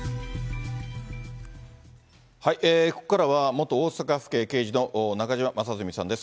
ここからは、元大阪府警刑事の中島正純さんです。